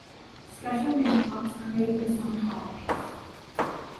Special Ring Pops are made for some holidays.